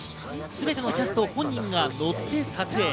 すべてのキャスト本人が乗って撮影。